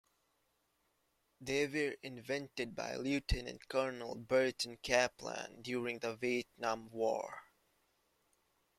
They were invented by Lieutenant Colonel Burton Kaplan during the Vietnam War.